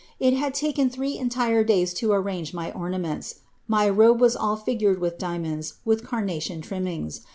It had taken three entire days to arrange my ornaments. My robe was all %Dred with diamonds, with carnation trimmings.